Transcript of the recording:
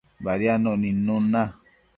Badiadnuc nidnun na